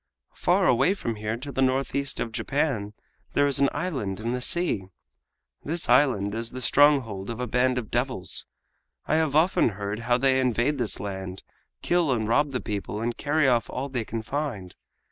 Far away from here to the northeast of Japan there is an island in the sea. This island is the stronghold of a band of devils. I have often heard how they invade this land, kill and rob the people, and carry off all they can find.